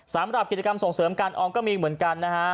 สำหรับกิจกรรมส่งเสริมการออมก็มีเหมือนกันนะฮะ